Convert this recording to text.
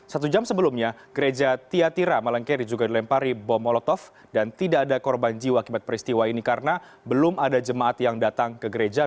satu jam sebelumnya gereja tiatira malangkeri juga dilempari bom molotov dan tidak ada korban jiwa akibat peristiwa ini karena belum ada jemaat yang datang ke gereja